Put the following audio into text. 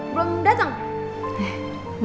belum dateng aku